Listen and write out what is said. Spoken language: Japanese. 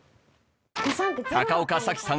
高岡早紀さん